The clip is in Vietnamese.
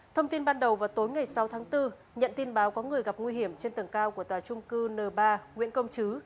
thông tin ban đầu vào tối ngày sáu tháng bốn nhận tin báo có người gặp nguy hiểm trên tầng cao của tòa trung cư n ba nguyễn công chứ